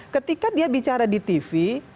ketika dia bicara di tv